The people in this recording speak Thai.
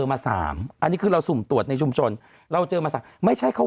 มาสามอันนี้คือเราสุ่มตรวจในชุมชนเราเจอมาสามไม่ใช่เขา